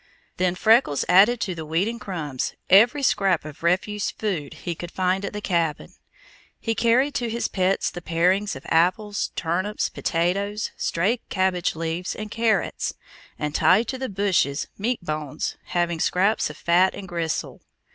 Then Freckles added to wheat and crumbs, every scrap of refuse food he could find at the cabin. He carried to his pets the parings of apples, turnips, potatoes, stray cabbage leaves, and carrots, and tied to the bushes meat bones having scraps of fat and gristle.